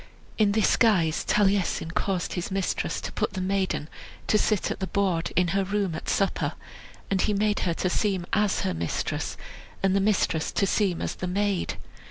In this guise Taliesin caused his mistress to put the maiden to sit at the board in her room at supper; and he made her to seem as her mistress, and the mistress to seem as the maid.